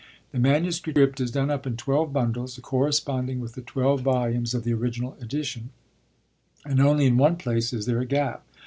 The manuscript is done up in twelve bundles, corresponding with the twelve volumes of the original edition; and only in one place is there a gap.